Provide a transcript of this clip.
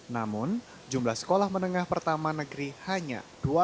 namun jumlah sekolah menengah pertama negeri hanya dua ratus sembilan puluh tiga